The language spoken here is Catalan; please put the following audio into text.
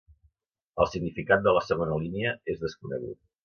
El significat de la segona línia és desconegut.